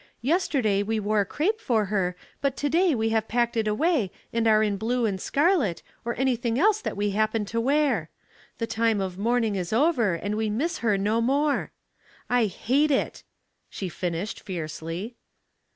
Yesterday we wore crape for her, but to day we have packed it away and are in blue and scarlet, or anything else that we happen to wear. The time of mourning is over, and we miss her no more.* I hate it," she finished, fiercely.